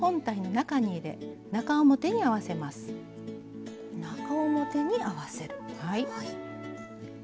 中表に合わせる。